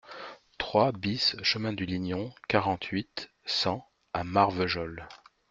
trois BIS chemin du Lignon, quarante-huit, cent à Marvejols